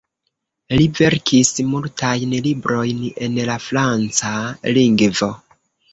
Li verkis multajn librojn en la franca lingvo.